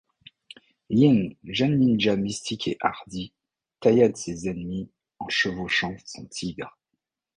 Ying, jeune ninja mystique et hardi, taillade ses ennemis en chevauchant son tigre.